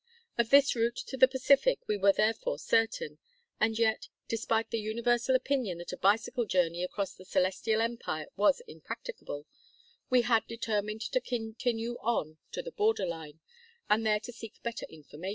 Of this route to the Pacific we were therefore certain, and yet, despite the universal opinion that a bicycle journey across the Celestial empire was impracticable, we had determined to continue on to the border line, and there to seek better information.